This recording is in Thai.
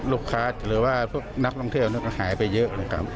ลูกค้าหรือว่านักท่องเที่ยวนั้นก็หายไปเยอะเลยครับ